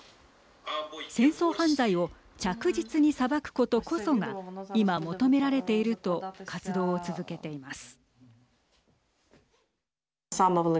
戦争犯罪を着実に裁くことこそが今、求められていると活動を続けています。